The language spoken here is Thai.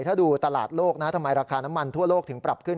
ถ้าดูตลาดโลกนะทำไมราคาน้ำมันทั่วโลกถึงปรับขึ้น